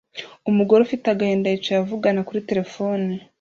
umugore ufite agahinda yicaye avugana kuri terefone